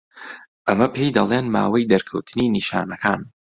ئەمە پێی دەڵێن ماوەی دەرکەوتنی نیشانەکان.